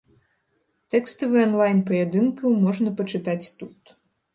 Тэкставы анлайн паядынкаў можна пачытаць тут.